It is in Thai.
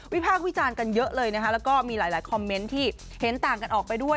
พากษ์วิจารณ์กันเยอะเลยนะคะแล้วก็มีหลายคอมเมนต์ที่เห็นต่างกันออกไปด้วย